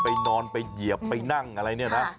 ไปนอนไปเหยียบไปนั่งอะไรเนี่ยนะ